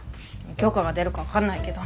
許可が出るか分かんないけど。